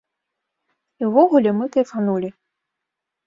І ўвогуле, мы кайфанулі!